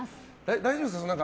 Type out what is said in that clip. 大丈夫ですか？